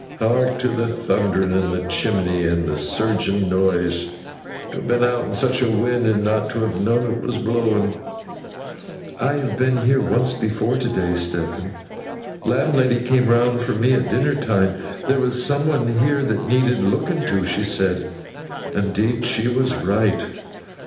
Hark to the thundering in the chimney, and the surging noise! To have been out in such a wind, and not to have known it was blowing! 'I have been here once before, to day, Stephen. Landlady came round for me at dinner time. There was some one here that needed looking to, she said. And 'deed she was right.